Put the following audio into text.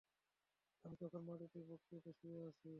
আমি তখন মাটিতে বুক চেপে শুয়ে আছি।